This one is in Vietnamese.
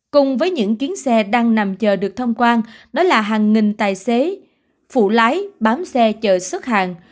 cùng với những chuyến xe đang nằm chờ được thông quan đó là hàng nghìn tài xế phụ lái bám xe chờ xuất hàng